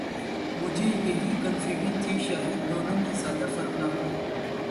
مجھے یہی کنفیوژن تھی شاید دونوں میں زیادہ فرق نہ ہو۔۔